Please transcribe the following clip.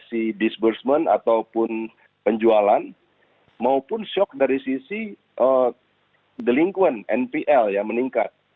si disbursement ataupun penjualan maupun shock dari sisi delinquent npl ya meningkat